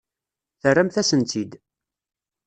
Terramt-asen-tt-id.